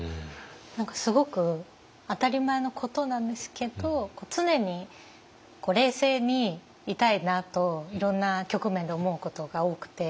何かすごく当たり前のことなんですけど常に冷静にいたいなといろんな局面で思うことが多くて。